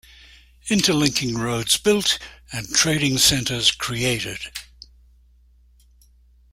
Interlinking roads built and trading centers created.